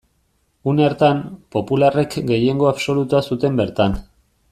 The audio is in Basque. Une hartan, popularrek gehiengo absolutua zuten bertan.